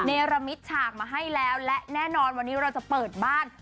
เนรมิตฉากมาให้แล้วและแน่นอนวันนี้เราจะเปิดบ้าน